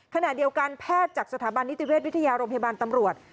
ขณะเดียวกันแพทย์จากสถาบันนิติเวชวิทยาโรงพยาบาลตำรวจ